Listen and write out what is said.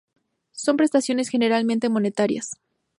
Son prestaciones generalmente monetarias.